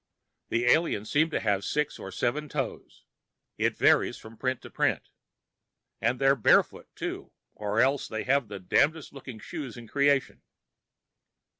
The aliens seem to have six or seven toes. It varies from print to print. And they're barefoot, too, or else they have the damnedest looking shoes in creation.